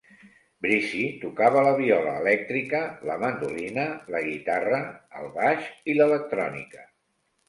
Breeze tocava la viola elèctrica, la mandolina, la guitarra, el baix i l'electrònica.